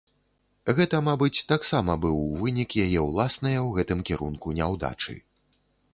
Гэта, мабыць, таксама быў вынік яе ўласнае ў гэтым кірунку няўдачы.